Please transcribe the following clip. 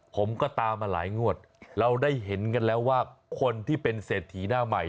ผมก็ตามมาหลายงวดเราได้เห็นกันแล้วว่าคนที่เป็นเศรษฐีหน้าใหม่